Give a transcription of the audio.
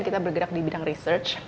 kita bergerak di bidang research